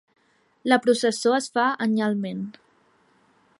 La processó es fa anyalment.